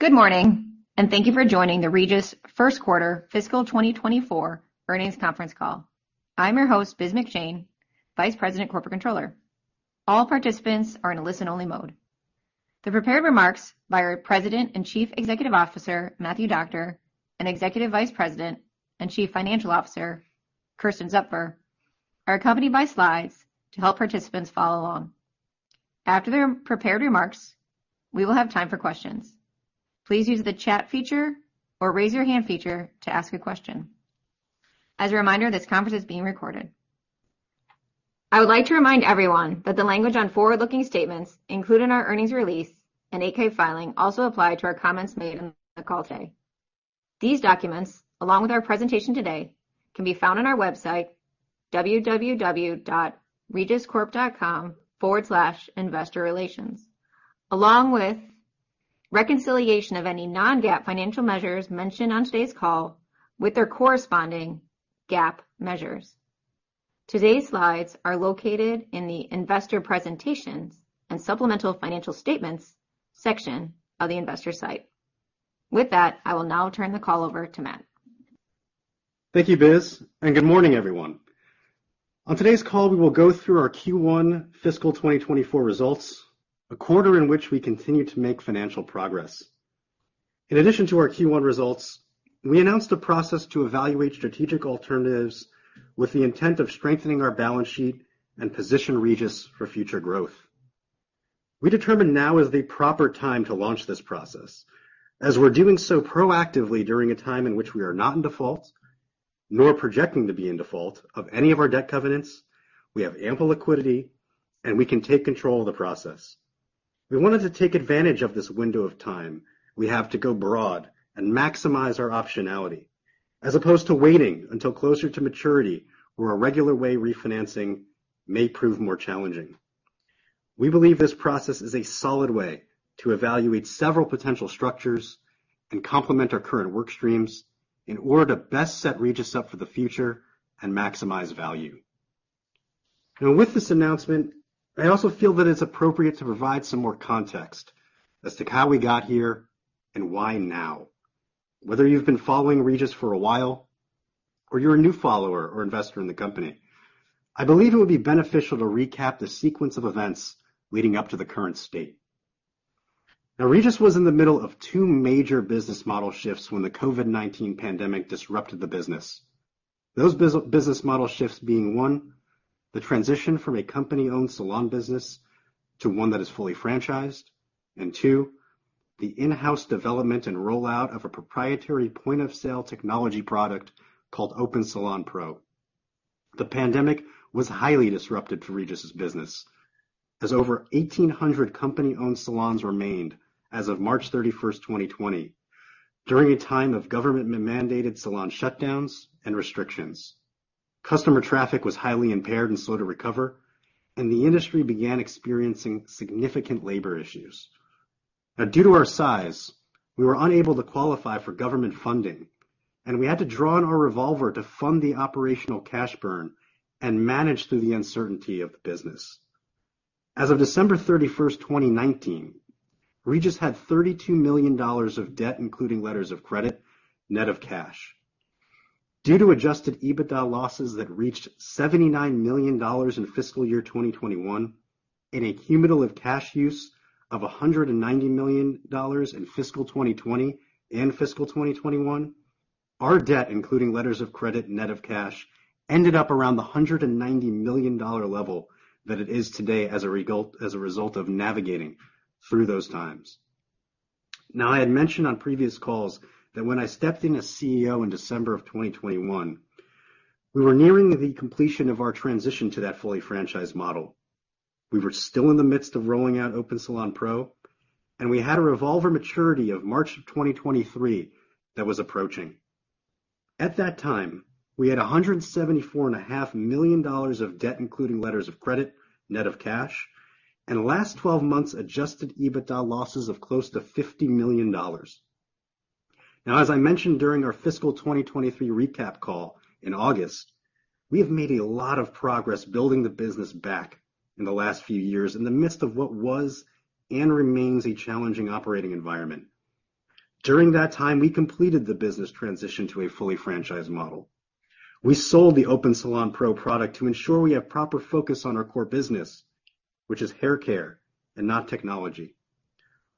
Good morning, and thank you for joining the Regis first quarter fiscal 2024 earnings conference call. I'm your host, Biz McShane, Vice President, Corporate Controller. All participants are in a listen-only mode. The prepared remarks by our President and Chief Executive Officer, Matthew Doctor, and Executive Vice President and Chief Financial Officer, Kersten Zupfer, are accompanied by slides to help participants follow along. After their prepared remarks, we will have time for questions. Please use the chat feature or raise your hand feature to ask a question. As a reminder, this conference is being recorded. I would like to remind everyone that the language on forward-looking statements included in our earnings release and 8-K filing also apply to our comments made on the call today. These documents, along with our presentation today, can be found on our website, www.regiscorp.com/investorrelations, along with reconciliation of any non-GAAP financial measures mentioned on today's call with their corresponding GAAP measures. Today's slides are located in the Investor Presentations and Supplemental Financial Statements section of the investor site. With that, I will now turn the call over to Matt. Thank you, Biz, and good morning, everyone. On today's call, we will go through our Q1 fiscal 2024 results, a quarter in which we continued to make financial progress. In addition to our Q1 results, we announced a process to evaluate strategic alternatives with the intent of strengthening our balance sheet and position Regis for future growth. We determined now is the proper time to launch this process, as we're doing so proactively during a time in which we are not in default, nor projecting to be in default of any of our debt covenants. We have ample liquidity, and we can take control of the process. We wanted to take advantage of this window of time we have to go broad and maximize our optionality, as opposed to waiting until closer to maturity, where a regular way refinancing may prove more challenging. We believe this process is a solid way to evaluate several potential structures and complement our current work streams in order to best set Regis up for the future and maximize value. Now, with this announcement, I also feel that it's appropriate to provide some more context as to how we got here and why now. Whether you've been following Regis for a while or you're a new follower or investor in the company, I believe it would be beneficial to recap the sequence of events leading up to the current state. Now, Regis was in the middle of two major business model shifts when the COVID-19 pandemic disrupted the business. Those business model shifts being, one, the transition from a company-owned salon business to one that is fully franchised, and two, the in-house development and rollout of a proprietary point-of-sale technology product called Open Salon Pro. The pandemic was highly disruptive to Regis's business, as over 1,800 company-owned salons remained as of March 31, 2020, during a time of government-mandated salon shutdowns and restrictions. Customer traffic was highly impaired and slow to recover, and the industry began experiencing significant labor issues. Now, due to our size, we were unable to qualify for government funding, and we had to draw on our revolver to fund the operational cash burn and manage through the uncertainty of the business. As of December 31, 2019, Regis had $32 million of debt, including letters of credit, net of cash. Due to Adjusted EBITDA losses that reached $79 million in fiscal year 2021 and a cumulative cash use of $190 million in fiscal 2020 and fiscal 2021, our debt, including letters of credit, net of cash, ended up around the $190 million level that it is today as a result, as a result of navigating through those times. Now, I had mentioned on previous calls that when I stepped in as CEO in December 2021, we were nearing the completion of our transition to that fully franchised model. We were still in the midst of rolling out Open Salon Pro, and we had a revolver maturity of March 2023 that was approaching. At that time, we had $174.5 million of debt, including letters of credit, net of cash, and last twelve months Adjusted EBITDA losses of close to $50 million. Now, as I mentioned during our fiscal 2023 recap call in August, we have made a lot of progress building the business back in the last few years in the midst of what was and remains a challenging operating environment. During that time, we completed the business transition to a fully franchised model. We sold the Open Salon Pro product to ensure we have proper focus on our core business, which is hair care and not technology,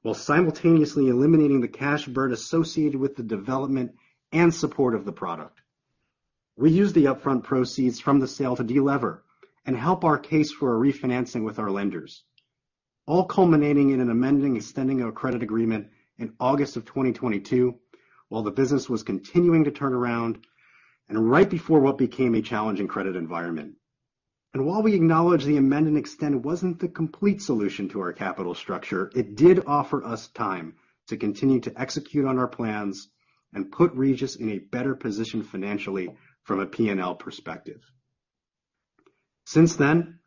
while simultaneously eliminating the cash burn associated with the development and support of the product. We used the upfront proceeds from the sale to delever and help our case for a refinancing with our lenders, all culminating in an amend-and-extend of a credit agreement in August 2022, while the business was continuing to turn around and right before what became a challenging credit environment. While we acknowledge the amend-and-extend wasn't the complete solution to our capital structure, it did offer us time to continue to execute on our plans and put Regis in a better position financially from a P&L perspective. Since then,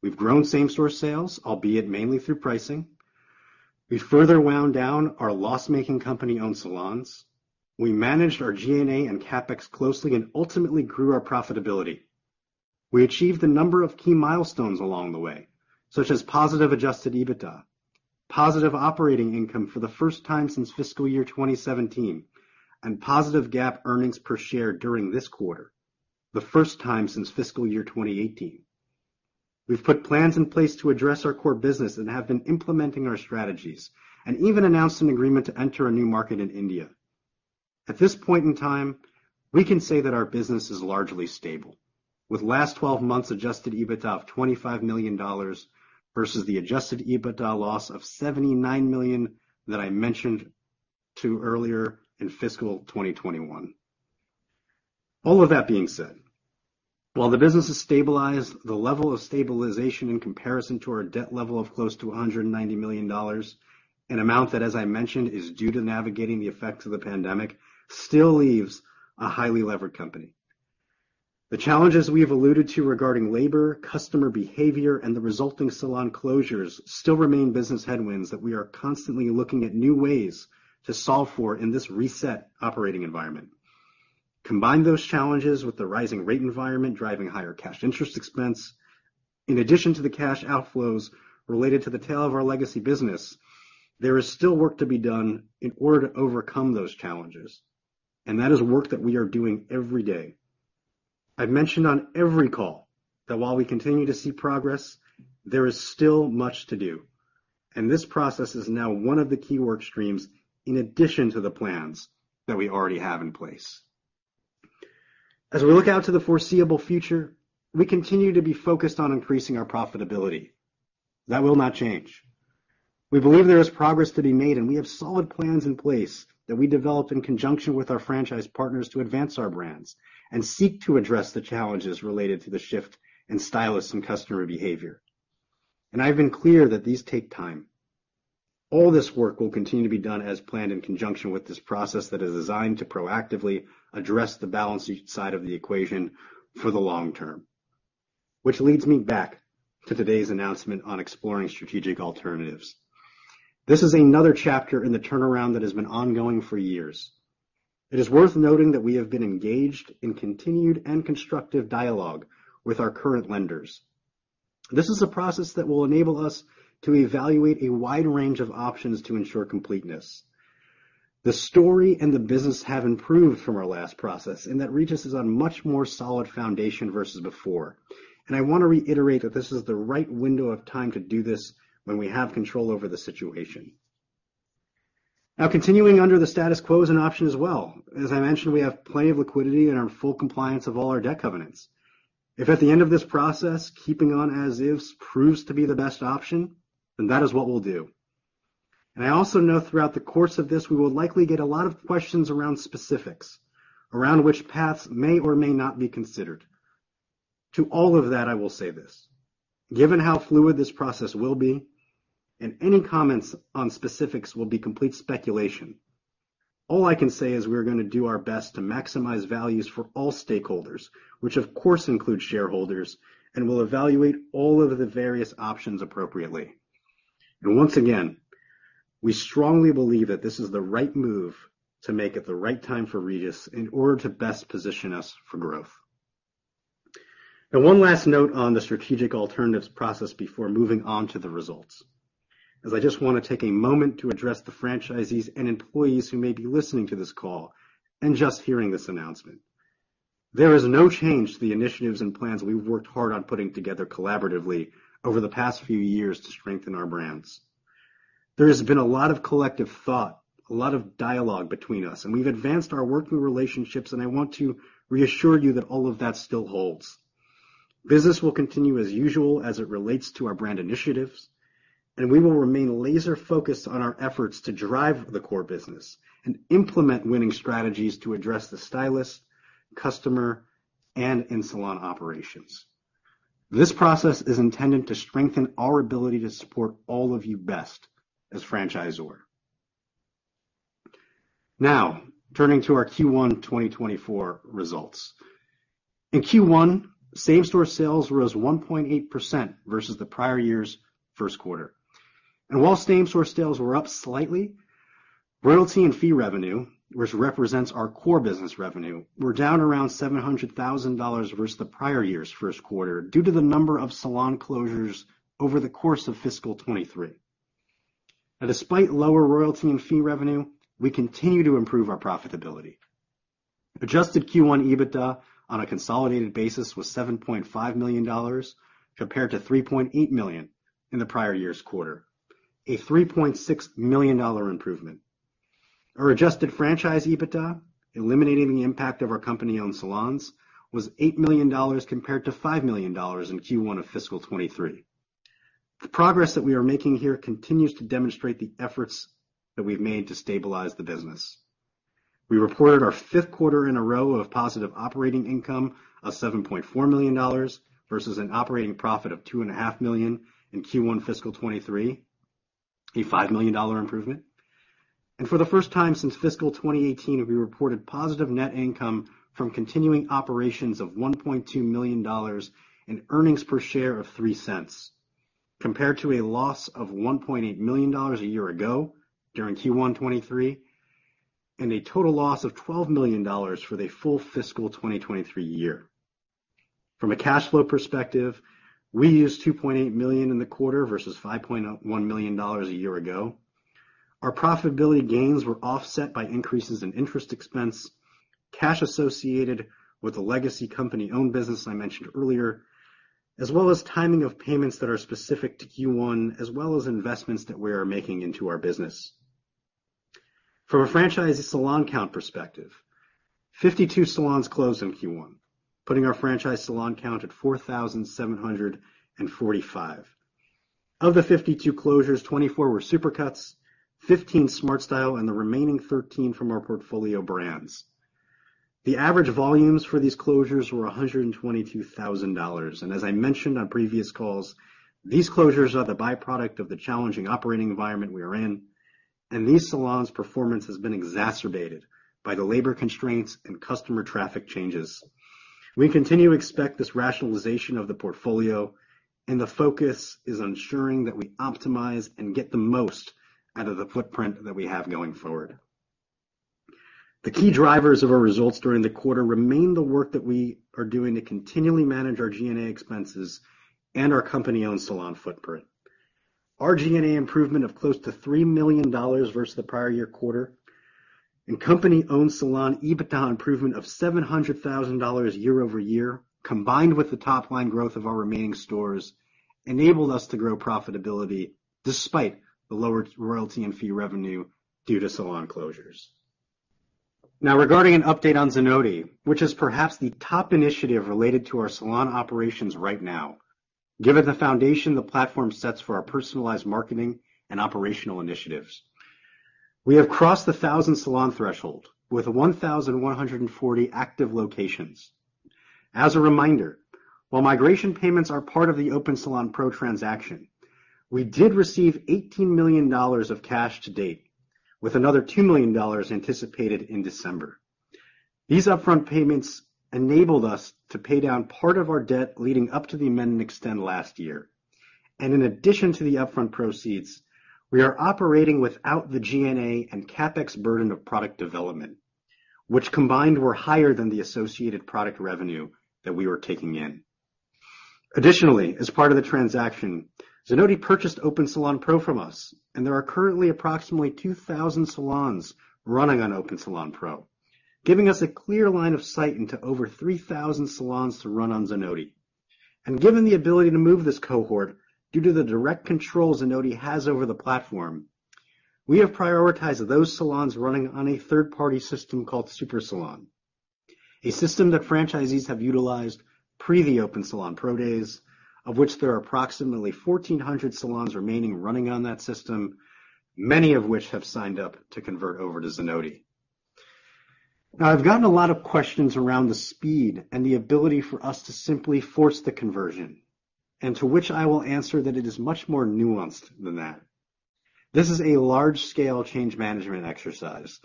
we've grown same-store sales, albeit mainly through pricing. We further wound down our loss-making company-owned salons. We managed our G&A and CapEx closely and ultimately grew our profitability.... We achieved a number of key milestones along the way, such as positive Adjusted EBITDA, positive operating income for the first time since fiscal year 2017, and positive GAAP earnings per share during this quarter, the first time since fiscal year 2018. We've put plans in place to address our core business and have been implementing our strategies, and even announced an agreement to enter a new market in India. At this point in time, we can say that our business is largely stable, with last 12 months Adjusted EBITDA of $25 million, versus the Adjusted EBITDA loss of $79 million that I mentioned to earlier in fiscal 2021. All of that being said, while the business is stabilized, the level of stabilization in comparison to our debt level of close to $190 million, an amount that, as I mentioned, is due to navigating the effects of the pandemic, still leaves a highly levered company. The challenges we have alluded to regarding labor, customer behavior, and the resulting salon closures still remain business headwinds that we are constantly looking at new ways to solve for in this reset operating environment. Combine those challenges with the rising rate environment, driving higher cash interest expense, in addition to the cash outflows related to the tail of our legacy business, there is still work to be done in order to overcome those challenges, and that is work that we are doing every day. I've mentioned on every call that while we continue to see progress, there is still much to do, and this process is now one of the key work streams in addition to the plans that we already have in place. As we look out to the foreseeable future, we continue to be focused on increasing our profitability. That will not change. We believe there is progress to be made, and we have solid plans in place that we developed in conjunction with our franchise partners to advance our brands and seek to address the challenges related to the shift in stylists and customer behavior. I've been clear that these take time. All this work will continue to be done as planned in conjunction with this process that is designed to proactively address the balance sheet side of the equation for the long term. Which leads me back to today's announcement on exploring strategic alternatives. This is another chapter in the turnaround that has been ongoing for years. It is worth noting that we have been engaged in continued and constructive dialogue with our current lenders. This is a process that will enable us to evaluate a wide range of options to ensure completeness. The story and the business have improved from our last process, and that Regis is on much more solid foundation versus before. And I want to reiterate that this is the right window of time to do this when we have control over the situation. Now, continuing under the status quo is an option as well. As I mentioned, we have plenty of liquidity and are in full compliance of all our debt covenants. If at the end of this process, keeping on as is proves to be the best option, then that is what we'll do. I also know throughout the course of this, we will likely get a lot of questions around specifics, around which paths may or may not be considered. To all of that, I will say this, given how fluid this process will be, and any comments on specifics will be complete speculation, all I can say is we are gonna do our best to maximize values for all stakeholders, which of course, includes shareholders, and we'll evaluate all of the various options appropriately. Once again, we strongly believe that this is the right move to make at the right time for Regis in order to best position us for growth. Now, one last note on the strategic alternatives process before moving on to the results, as I just want to take a moment to address the franchisees and employees who may be listening to this call and just hearing this announcement. There is no change to the initiatives and plans we've worked hard on putting together collaboratively over the past few years to strengthen our brands. There has been a lot of collective thought, a lot of dialogue between us, and we've advanced our working relationships, and I want to reassure you that all of that still holds. Business will continue as usual as it relates to our brand initiatives, and we will remain laser focused on our efforts to drive the core business and implement winning strategies to address the stylist, customer, and in-salon operations. This process is intended to strengthen our ability to support all of you best as franchisor. Now, turning to our Q1 2024 results. In Q1, same-store sales rose 1.8% versus the prior year's first quarter. While same-store sales were up slightly, royalty and fee revenue, which represents our core business revenue, were down around $700,000 versus the prior year's first quarter due to the number of salon closures over the course of fiscal 2023. Now, despite lower royalty and fee revenue, we continue to improve our profitability. Adjusted Q1 EBITDA on a consolidated basis was $7.5 million, compared to $3.8 million in the prior year's quarter, a $3.6 million improvement. Our adjusted franchise EBITDA, eliminating the impact of our company-owned salons, was $8 million, compared to $5 million in Q1 of fiscal 2023. The progress that we are making here continues to demonstrate the efforts that we've made to stabilize the business. We reported our fifth quarter in a row of positive operating income of $7.4 million versus an operating profit of $2.5 million in Q1 fiscal 2023, a $5 million improvement. For the first time since fiscal 2018, we reported positive net income from continuing operations of $1.2 million and earnings per share of $0.03, compared to a loss of $1.8 million a year ago during Q1 2023... and a total loss of $12 million for the full fiscal 2023 year. From a cash flow perspective, we used $2.8 million in the quarter, versus $5.1 million a year ago. Our profitability gains were offset by increases in interest expense, cash associated with the legacy company-owned business I mentioned earlier, as well as timing of payments that are specific to Q1, as well as investments that we are making into our business. From a franchise salon count perspective, 52 salons closed in Q1, putting our franchise salon count at 4,745. Of the 52 closures, 24 were Supercuts, 15 SmartStyle, and the remaining 13 from our portfolio brands. The average volumes for these closures were $122,000, and as I mentioned on previous calls, these closures are the byproduct of the challenging operating environment we are in, and these salons' performance has been exacerbated by the labor constraints and customer traffic changes. We continue to expect this rationalization of the portfolio, and the focus is on ensuring that we optimize and get the most out of the footprint that we have going forward. The key drivers of our results during the quarter remain the work that we are doing to continually manage our G&A expenses and our company-owned salon footprint. Our G&A improvement of close to $3 million versus the prior-year quarter, and company-owned salon EBITDA improvement of $700,000 year-over-year, combined with the top-line growth of our remaining stores, enabled us to grow profitability despite the lower royalty and fee revenue due to salon closures. Now, regarding an update on Zenoti, which is perhaps the top initiative related to our salon operations right now, given the foundation the platform sets for our personalized marketing and operational initiatives, we have crossed the 1,000-salon threshold with 1,140 active locations. As a reminder, while migration payments are part of the Open Salon Pro transaction, we did receive $18 million of cash to date, with another $2 million anticipated in December. These upfront payments enabled us to pay down part of our debt leading up to the amend and extend last year. And in addition to the upfront proceeds, we are operating without the G&A and CapEx burden of product development, which combined were higher than the associated product revenue that we were taking in. Additionally, as part of the transaction, Zenoti purchased Open Salon Pro from us, and there are currently approximately 2,000 salons running on Open Salon Pro, giving us a clear line of sight into over 3,000 salons to run on Zenoti. And given the ability to move this cohort due to the direct control Zenoti has over the platform, we have prioritized those salons running on a third-party system called SuperSalon, a system that franchisees have utilized pre the Open Salon Pro days, of which there are approximately 1,400 salons remaining running on that system, many of which have signed up to convert over to Zenoti. Now, I've gotten a lot of questions around the speed and the ability for us to simply force the conversion, and to which I will answer that it is much more nuanced than that. This is a large-scale change management exercise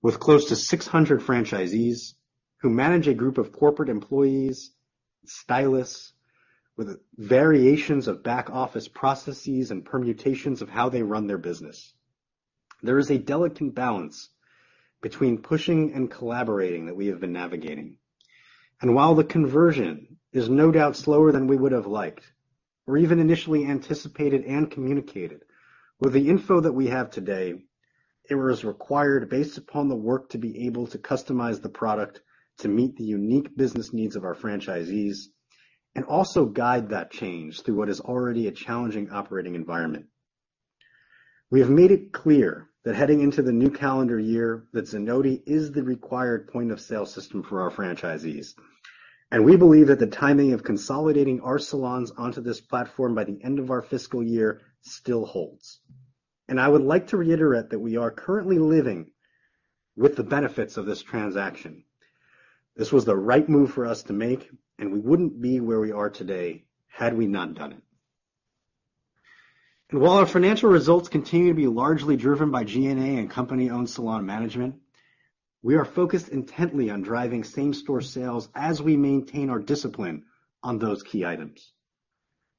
with close to 600 franchisees who manage a group of corporate employees, stylists, with variations of back-office processes and permutations of how they run their business. There is a delicate balance between pushing and collaborating that we have been navigating. While the conversion is no doubt slower than we would have liked or even initially anticipated and communicated, with the info that we have today, it was required based upon the work, to be able to customize the product to meet the unique business needs of our franchisees and also guide that change through what is already a challenging operating environment. We have made it clear that heading into the new calendar year, that Zenoti is the required point-of-sale system for our franchisees, and we believe that the timing of consolidating our salons onto this platform by the end of our fiscal year still holds. I would like to reiterate that we are currently living with the benefits of this transaction. This was the right move for us to make, and we wouldn't be where we are today had we not done it. While our financial results continue to be largely driven by G&A and company-owned salon management, we are focused intently on driving same-store sales as we maintain our discipline on those key items.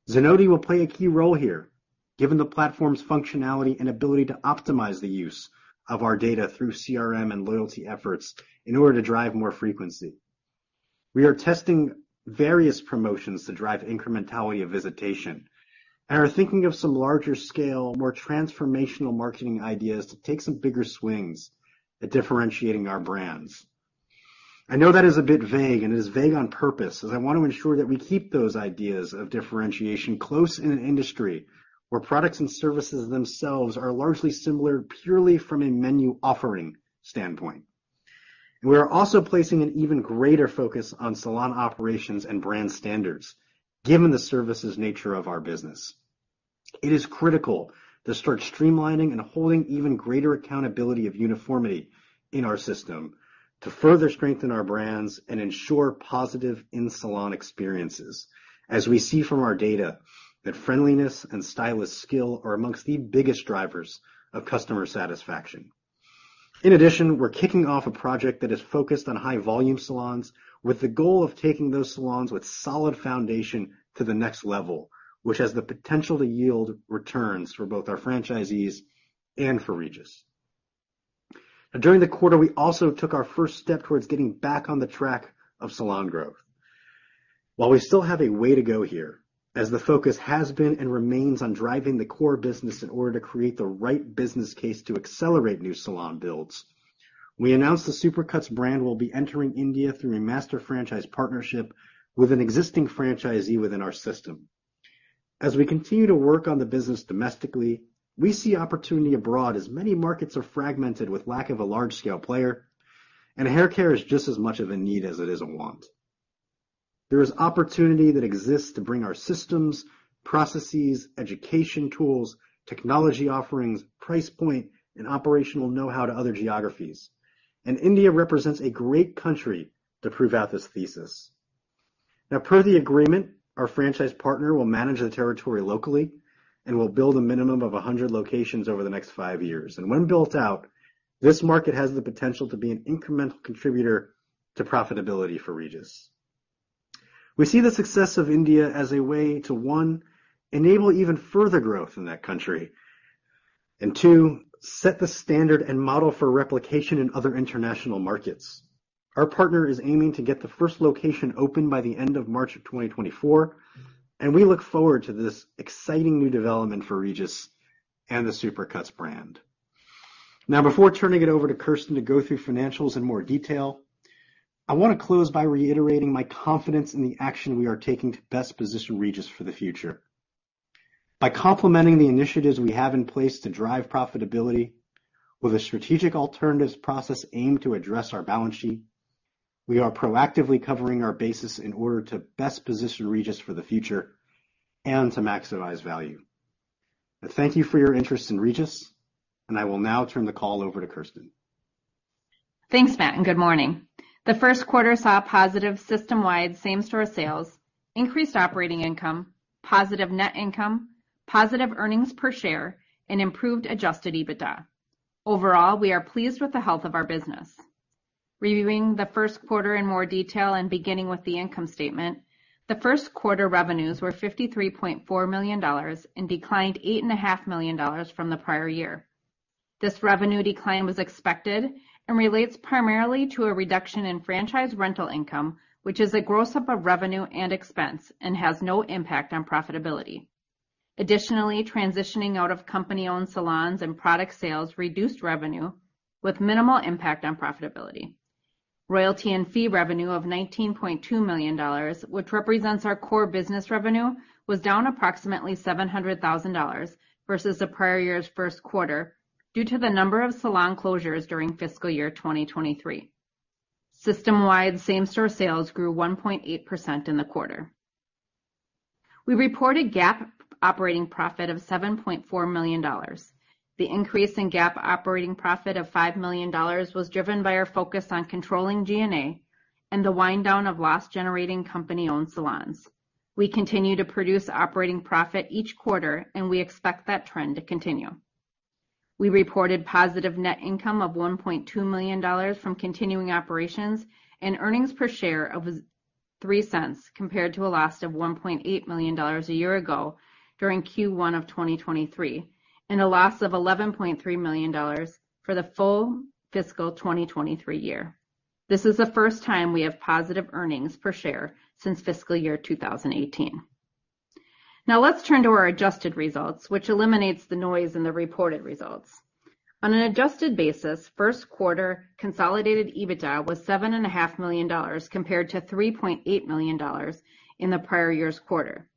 Zenoti will play a key role here, given the platform's functionality and ability to optimize the use of our data through CRM and loyalty efforts in order to drive more frequency. We are testing various promotions to drive incrementality of visitation and are thinking of some larger-scale, more transformational marketing ideas to take some bigger swings at differentiating our brands. I know that is a bit vague, and it is vague on purpose, as I want to ensure that we keep those ideas of differentiation close in an industry where products and services themselves are largely similar, purely from a menu offering standpoint. We are also placing an even greater focus on salon operations and brand standards, given the services nature of our business. It is critical to start streamlining and holding even greater accountability of uniformity in our system to further strengthen our brands and ensure positive in-salon experiences, as we see from our data that friendliness and stylist skill are amongst the biggest drivers of customer satisfaction. In addition, we're kicking off a project that is focused on high-volume salons, with the goal of taking those salons with solid foundation to the next level, which has the potential to yield returns for both our franchisees and for Regis. Now, during the quarter, we also took our first step towards getting back on the track of salon growth. While we still have a way to go here, as the focus has been and remains on driving the core business in order to create the right business case to accelerate new salon builds, we announced the Supercuts brand will be entering India through a master franchise partnership with an existing franchisee within our system. As we continue to work on the business domestically, we see opportunity abroad as many markets are fragmented, with lack of a large-scale player, and haircare is just as much of a need as it is a want. There is opportunity that exists to bring our systems, processes, education tools, technology offerings, price point, and operational know-how to other geographies, and India represents a great country to prove out this thesis. Now, per the agreement, our franchise partner will manage the territory locally and will build a minimum of 100 locations over the next 5 years. When built out, this market has the potential to be an incremental contributor to profitability for Regis. We see the success of India as a way to, one, enable even further growth in that country, and two, set the standard and model for replication in other international markets. Our partner is aiming to get the first location open by the end of March of 2024, and we look forward to this exciting new development for Regis and the Supercuts brand. Now, before turning it over to Kersten to go through financials in more detail, I want to close by reiterating my confidence in the action we are taking to best position Regis for the future. By complementing the initiatives we have in place to drive profitability, with a strategic alternatives process aimed to address our balance sheet, we are proactively covering our bases in order to best position Regis for the future and to maximize value. Thank you for your interest in Regis, and I will now turn the call over to Kersten. Thanks, Matt, and good morning. The first quarter saw positive system-wide same-store sales, increased operating income, positive net income, positive earnings per share, and improved Adjusted EBITDA. Overall, we are pleased with the health of our business. Reviewing the first quarter in more detail and beginning with the income statement, the first quarter revenues were $53.4 million and declined $8.5 million from the prior year. This revenue decline was expected and relates primarily to a reduction in franchise rental income, which is a gross-up of revenue and expense and has no impact on profitability. Additionally, transitioning out of company-owned salons and product sales reduced revenue with minimal impact on profitability. Royalty and fee revenue of $19.2 million, which represents our core business revenue, was down approximately $700,000 versus the prior year's first quarter due to the number of salon closures during fiscal year 2023. System-wide same-store sales grew 1.8% in the quarter. We reported GAAP operating profit of $7.4 million. The increase in GAAP operating profit of $5 million was driven by our focus on controlling G&A and the wind down of loss-generating company-owned salons. We continue to produce operating profit each quarter, and we expect that trend to continue. We reported positive net income of $1.2 million from continuing operations and earnings per share of $0.03, compared to a loss of $1.8 million a year ago during Q1 of 2023, and a loss of $11.3 million for the full fiscal 2023 year. This is the first time we have positive earnings per share since fiscal year 2018. Now, let's turn to our adjusted results, which eliminates the noise in the reported results. On an adjusted basis, first quarter consolidated EBITDA was $7.5 million, compared to $3.8 million in the prior year's quarter.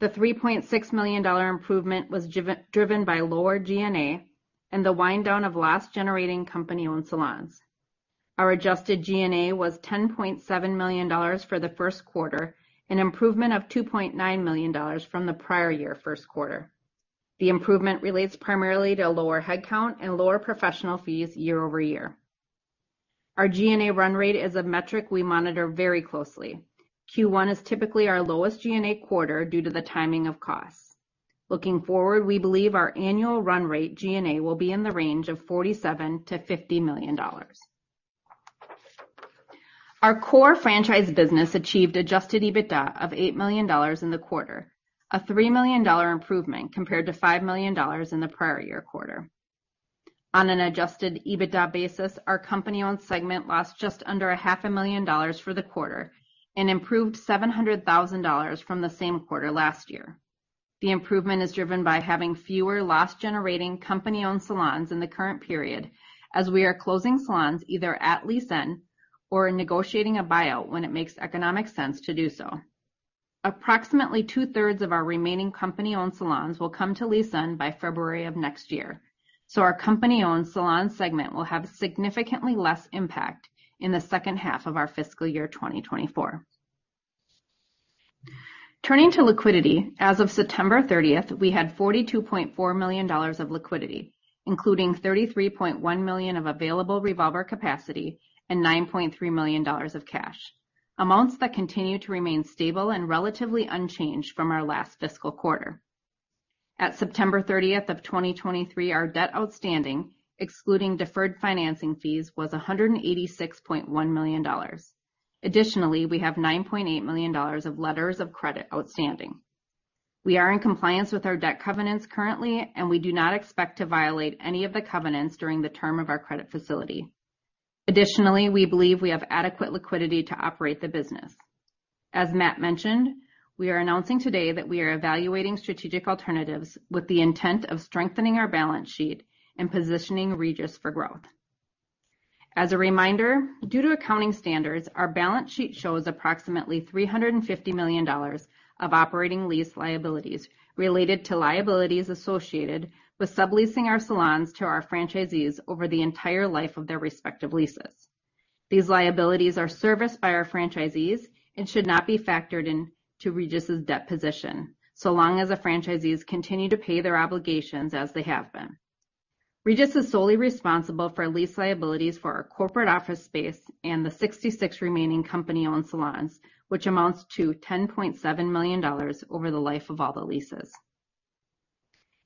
The $3.6 million improvement was driven by lower G&A and the wind down of loss-generating company-owned salons. Our adjusted G&A was $10.7 million for the first quarter, an improvement of $2.9 million from the prior year first quarter. The improvement relates primarily to lower headcount and lower professional fees year-over-year. Our G&A run rate is a metric we monitor very closely. Q1 is typically our lowest G&A quarter due to the timing of costs. Looking forward, we believe our annual run rate G&A will be in the range of $47 million-$50 million. Our core franchise business achieved adjusted EBITDA of $8 million in the quarter, a $3 million improvement compared to $5 million in the prior year quarter. On an adjusted EBITDA basis, our company-owned segment lost just under $500,000 for the quarter and improved $700,000 from the same quarter last year. The improvement is driven by having fewer loss-generating company-owned salons in the current period, as we are closing salons either at lease end or negotiating a buyout when it makes economic sense to do so. Approximately two-thirds of our remaining company-owned salons will come to lease end by February of next year, so our company-owned salon segment will have significantly less impact in the second half of our fiscal year 2024. Turning to liquidity, as of September 30, we had $42.4 million of liquidity, including $33.1 million of available revolver capacity and $9.3 million of cash, amounts that continue to remain stable and relatively unchanged from our last fiscal quarter. At September 30, 2023, our debt outstanding, excluding deferred financing fees, was $186.1 million. Additionally, we have $9.8 million of letters of credit outstanding. We are in compliance with our debt covenants currently, and we do not expect to violate any of the covenants during the term of our credit facility. Additionally, we believe we have adequate liquidity to operate the business. As Matt mentioned, we are announcing today that we are evaluating strategic alternatives with the intent of strengthening our balance sheet and positioning Regis for growth. As a reminder, due to accounting standards, our balance sheet shows approximately $350 million of operating lease liabilities related to liabilities associated with subleasing our salons to our franchisees over the entire life of their respective leases. These liabilities are serviced by our franchisees and should not be factored into Regis's debt position, so long as the franchisees continue to pay their obligations as they have been. Regis is solely responsible for lease liabilities for our corporate office space and the 66 remaining company-owned salons, which amounts to $10.7 million over the life of all the leases.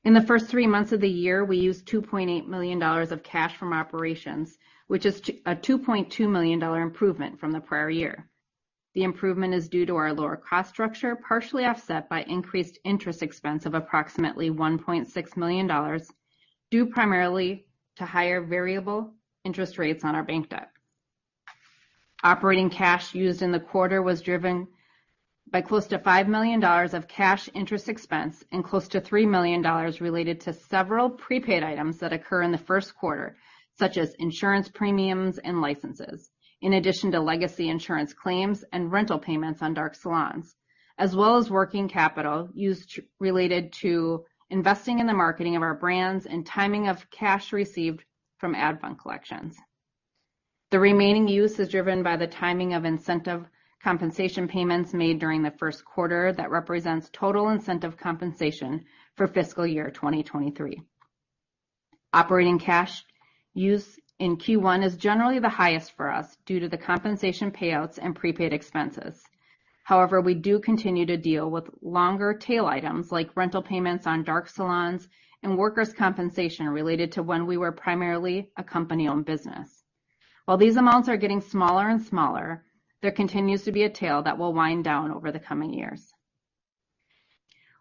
In the first three months of the year, we used $2.8 million of cash from operations, which is a $2.2 million improvement from the prior year. The improvement is due to our lower cost structure, partially offset by increased interest expense of approximately $1.6 million, due primarily to higher variable interest rates on our bank debt. Operating cash used in the quarter was driven by close to $5 million of cash interest expense and close to $3 million related to several prepaid items that occur in the first quarter, such as insurance premiums and licenses, in addition to legacy insurance claims and rental payments on dark salons, as well as working capital used related to investing in the marketing of our brands and timing of cash received from ad fund collections. The remaining use is driven by the timing of incentive compensation payments made during the first quarter that represents total incentive compensation for fiscal year 2023. Operating cash use in Q1 is generally the highest for us due to the compensation payouts and prepaid expenses. However, we do continue to deal with longer tail items like rental payments on dark salons and workers' compensation related to when we were primarily a company-owned business. While these amounts are getting smaller and smaller, there continues to be a tail that will wind down over the coming years.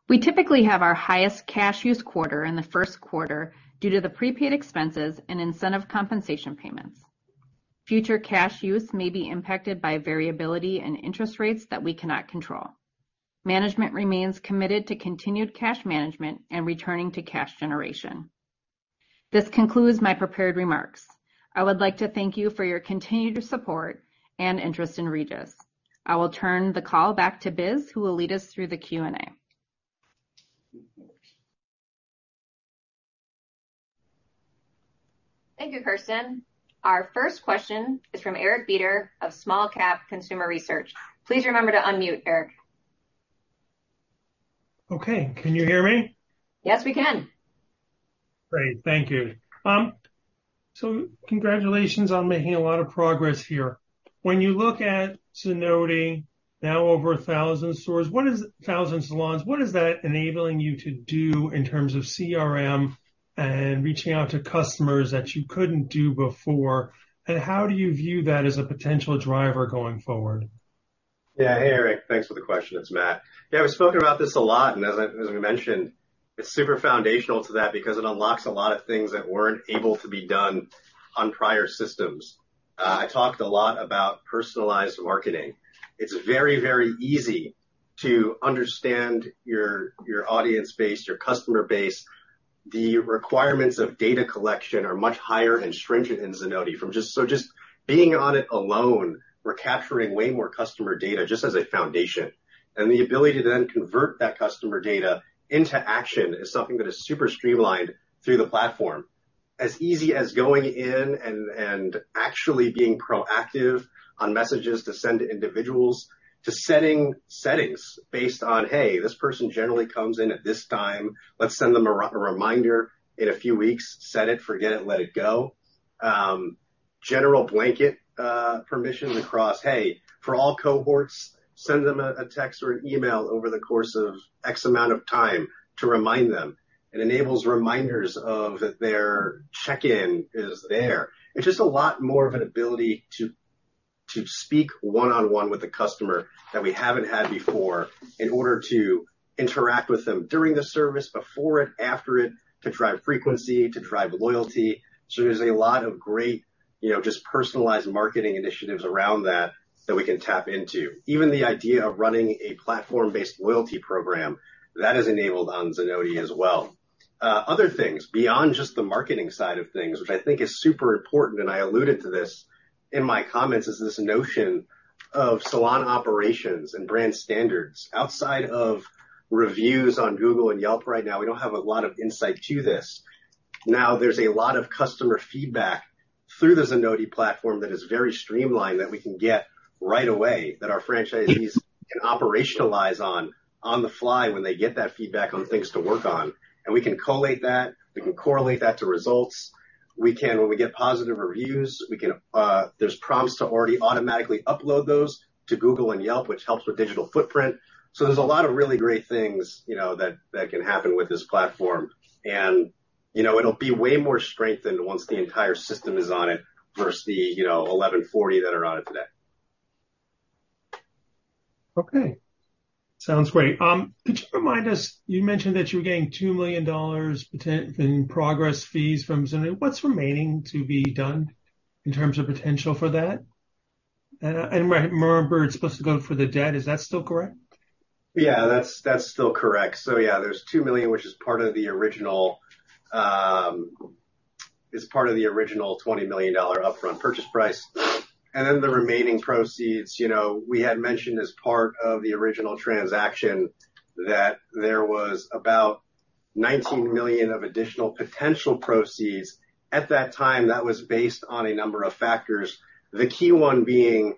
We typically have our highest cash use quarter in the first quarter due to the prepaid expenses and incentive compensation payments. Future cash use may be impacted by variability in interest rates that we cannot control. Management remains committed to continued cash management and returning to cash generation. This concludes my prepared remarks. I would like to thank you for your continued support and interest in Regis. I will turn the call back to Biz, who will lead us through the Q&A. Thank you, Kersten. Our first question is from Eric Beder of Small Cap Consumer Research. Please remember to unmute, Eric. Okay, can you hear me? Yes, we can. Great, thank you. Congratulations on making a lot of progress here. When you look at Zenoti, now over 1,000 stores, 1,000 salons, what is that enabling you to do in terms of CRM and reaching out to customers that you couldn't do before? And how do you view that as a potential driver going forward? Yeah. Hey, Eric, thanks for the question. It's Matt. Yeah, we've spoken about this a lot, and as I, as we mentioned, it's super foundational to that because it unlocks a lot of things that weren't able to be done on prior systems. I talked a lot about personalized marketing. It's very, very easy to understand your, your audience base, your customer base. The requirements of data collection are much higher and stringent in Zenoti, so just being on it alone, we're capturing way more customer data just as a foundation. And the ability to then convert that customer data into action is something that is super streamlined through the platform. As easy as going in and actually being proactive on messages to send to individuals, to setting settings based on, hey, this person generally comes in at this time, let's send them a reminder in a few weeks. Set it, forget it, let it go. General blanket permissions across, hey, for all cohorts, send them a text or an email over the course of X amount of time to remind them. It enables reminders of their check-in is there. It's just a lot more of an ability to speak one-on-one with the customer that we haven't had before, in order to interact with them during the service, before it, after it, to drive frequency, to drive loyalty. So there's a lot of great, you know, just personalized marketing initiatives around that, that we can tap into. Even the idea of running a platform-based loyalty program, that is enabled on Zenoti as well. Other things, beyond just the marketing side of things, which I think is super important, and I alluded to this in my comments, is this notion of salon operations and brand standards. Outside of reviews on Google and Yelp right now, we don't have a lot of insight to this. Now, there's a lot of customer feedback through the Zenoti platform that is very streamlined, that we can get right away, that our franchisees can operationalize on, on the fly when they get that feedback on things to work on. And we can collate that, we can correlate that to results. We can... When we get positive reviews, we can, there's prompts to already automatically upload those to Google and Yelp, which helps with digital footprint. So there's a lot of really great things, you know, that can happen with this platform. You know, it'll be way more strengthened once the entire system is on it, versus the, you know, 1,140 that are on it today. Okay, sounds great. Could you remind us, you mentioned that you were getting $2 million poten- in progress fees from Zenoti. What's remaining to be done in terms of potential for that? And I remember it's supposed to go for the debt. Is that still correct? Yeah, that's, that's still correct. So yeah, there's $2 million, which is part of the original, is part of the original $20 million upfront purchase price. And then the remaining proceeds, you know, we had mentioned as part of the original transaction, that there was about $19 million of additional potential proceeds. At that time, that was based on a number of factors, the key one being,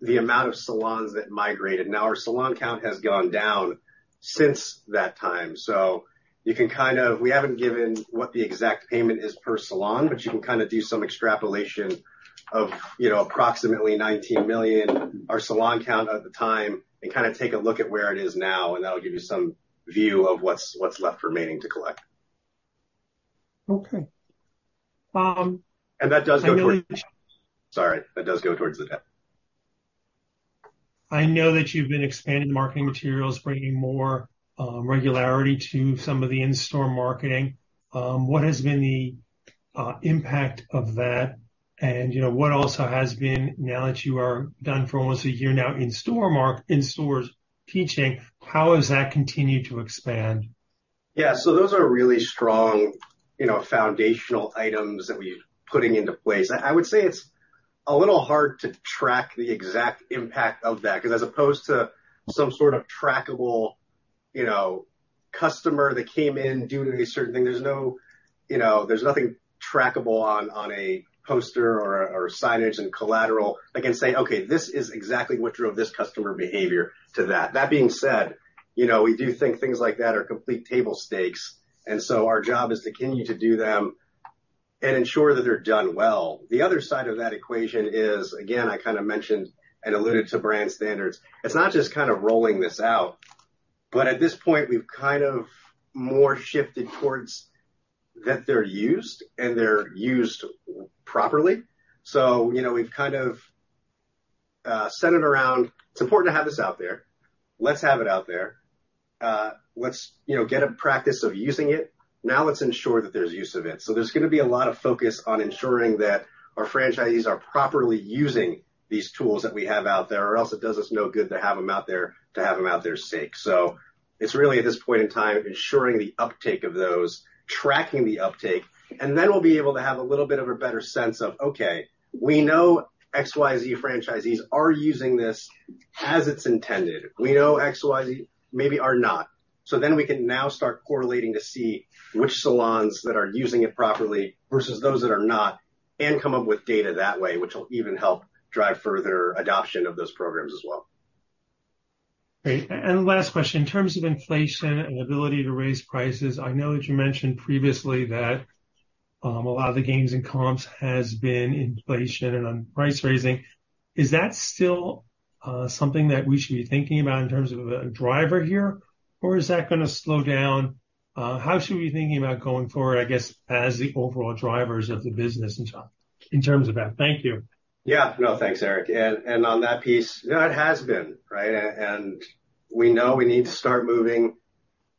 the amount of salons that migrated. Now, our salon count has gone down since that time, so you can kind of, we haven't given what the exact payment is per salon, but you can kinda do some extrapolation of, you know, approximately $19 million, our salon count at the time, and kind of take a look at where it is now, and that'll give you some view of what's, what's left remaining to collect. Okay. Um- And that does go towards- I know that you- Sorry, that does go towards the debt. I know that you've been expanding marketing materials, bringing more regularity to some of the in-store marketing. What has been the impact of that? And you know, what also has been, now that you are done for almost a year now in-store marketing strategy, how has that continued to expand? Yeah. So those are really strong, you know, foundational items that we're putting into place. I, I would say it's a little hard to track the exact impact of that, 'cause as opposed to some sort of trackable, you know, customer that came in due to a certain thing, there's no, you know, there's nothing trackable on, on a poster or, or signage and collateral. I can say, "Okay, this is exactly what drove this customer behavior to that." That being said, you know, we do think things like that are complete table stakes, and so our job is to continue to do them and ensure that they're done well. The other side of that equation is, again, I kind of mentioned and alluded to brand standards. It's not just kind of rolling this out, but at this point, we've kind of more shifted towards that they're used and they're used properly. So, you know, we've kind of centered around, it's important to have this out there. Let's have it out there. Let's, you know, get a practice of using it. Now, let's ensure that there's use of it. So there's gonna be a lot of focus on ensuring that our franchisees are properly using these tools that we have out there, or else it does us no good to have them out there, to have them out there sake. So it's really, at this point in time, ensuring the uptake of those, tracking the uptake, and then we'll be able to have a little bit of a better sense of, okay, we know XYZ franchisees are using this as it's intended. We know XYZ maybe are not. So then we can now start correlating to see which salons that are using it properly versus those that are not, and come up with data that way, which will even help drive further adoption of those programs as well. Great. Last question, in terms of inflation and ability to raise prices, I know that you mentioned previously that a lot of the gains in comps has been inflation and on price raising. Is that still something that we should be thinking about in terms of a driver here, or is that gonna slow down? How should we be thinking about going forward, I guess, as the overall drivers of the business in terms, in terms of that? Thank you. Yeah. No, thanks, Eric. And on that piece, you know, it has been, right? And we know we need to start moving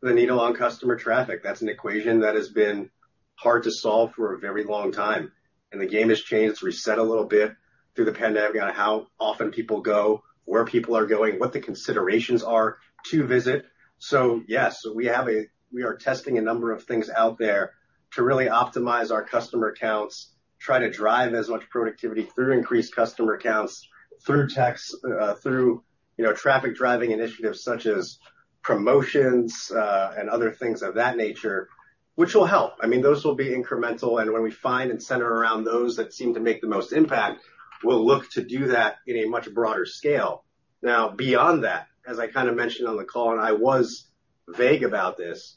the needle on customer traffic. That's an equation that has been hard to solve for a very long time, and the game has changed. It's reset a little bit through the pandemic on how often people go, where people are going, what the considerations are to visit. So yes, we are testing a number of things out there to really optimize our customer counts, try to drive as much productivity through increased customer counts, through texts, through, you know, traffic-driving initiatives such as promotions, and other things of that nature, which will help. I mean, those will be incremental, and when we find and center around those that seem to make the most impact, we'll look to do that in a much broader scale. Now, beyond that, as I kind of mentioned on the call, and I was vague about this,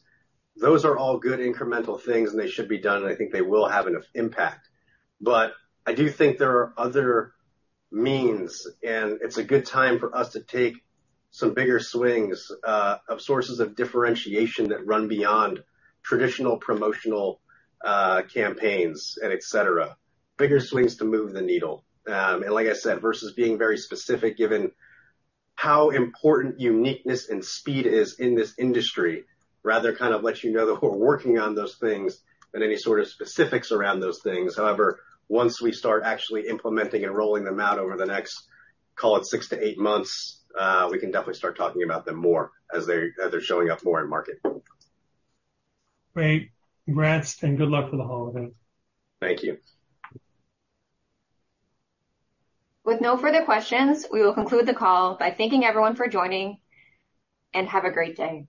those are all good incremental things, and they should be done, and I think they will have an impact. But I do think there are other means, and it's a good time for us to take some bigger swings, of sources of differentiation that run beyond traditional promotional, campaigns and et cetera. Bigger swings to move the needle. And like I said, versus being very specific given how important uniqueness and speed is in this industry, rather kind of let you know that we're working on those things than any sort of specifics around those things. However, once we start actually implementing and rolling them out over the next, call it 6-8 months, we can definitely start talking about them more as they're, as they're showing up more in market. Great. Congrats, and good luck for the holiday. Thank you. With no further questions, we will conclude the call by thanking everyone for joining, and have a great day.